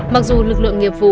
mặc dù lực lượng nghiệp vụ